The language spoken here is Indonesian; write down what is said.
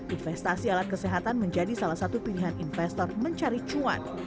investasi alat kesehatan menjadi salah satu pilihan investor mencari cuan